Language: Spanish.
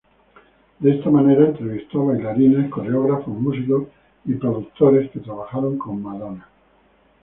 De esta manera, entrevistó a bailarines, coreógrafos, músicos y productores que trabajaron con Madonna.